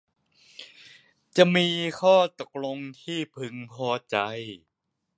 จะมีข้อตกลงที่พึงพอใจ